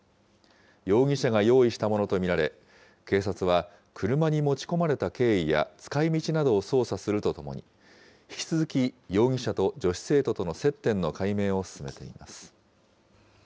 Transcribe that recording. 容疑者が用意したものと見られ、警察は車に持ち込まれた経緯や使いみちなどを捜査するとともに、引き続き、容疑者と女子生徒との接点の解明を進めています。